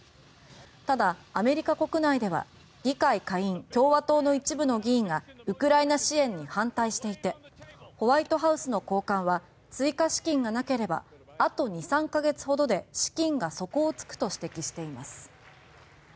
ただアメリカ国内では議会下院共和党の一部の議員がウクライナ支援に反対していてホワイトハウスの高官は追加資金がなければあと２３月ほどで資金が底をつくと指摘しています。